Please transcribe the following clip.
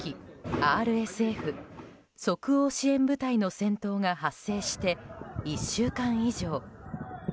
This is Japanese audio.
ＲＳＦ即応支援部隊の戦闘が発生して１週間以上。